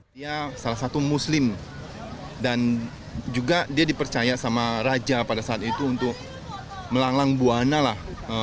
dia salah satu muslim dan juga dia dipercaya sama raja pada saat itu untuk melanglang buana lah